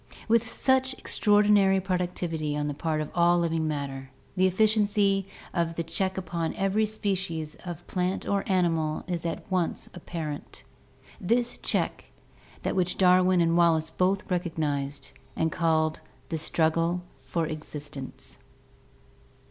With such extraordinary productivity on the part of all living matter, the efficiency of the check upon every species of plant or animal is at once apparent. This check is that which Darwin and Wallace both recognized, and called the struggle far existence.